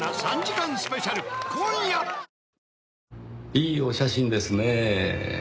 いいお写真ですねぇ。